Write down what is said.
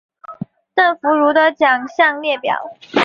邓福如的奖项列表